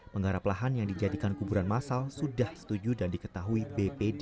penggarap lahan yang dijadikan kuburan masal sudah setuju dan diketahui bpd